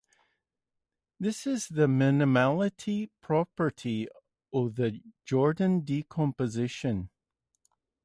This is the "minimality property" of the Jordan decomposition.